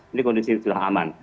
ini kondisi sudah aman